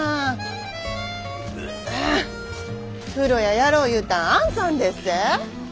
風呂屋やろう言うたんあんさんでっせ。